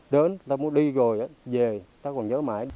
đến ta muốn đi rồi về ta còn nhớ mãi